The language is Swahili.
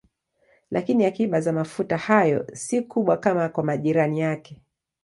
Lakini akiba za mafuta hayo si kubwa kama kwa majirani yake.